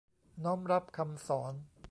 น้อมรับคำสอน